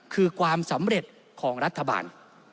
คือความสำเร็จของรัฐบาล